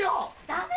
ダメ！